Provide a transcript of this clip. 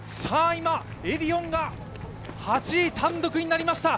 今、エディオンが８位単独になりました。